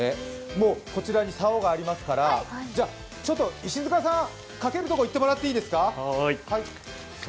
もう、こちらにさおがありますから、石塚さん、かけるところいってもらっていいですか？